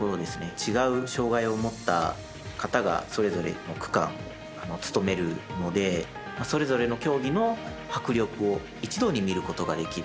違う障がいを持った方がそれぞれの区間務めるのでそれぞれの競技の迫力を一度に見ることができる。